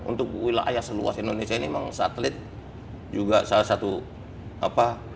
untuk wilayah seluas indonesia ini memang satelit juga salah satu apa